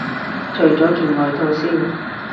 除咗件外套先